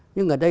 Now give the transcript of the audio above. nhưng ở đây